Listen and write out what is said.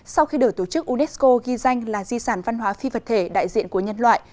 sau khi được tổ chức unesco ghi danh là di sản văn hóa phi vật thể đại diện của nhân loại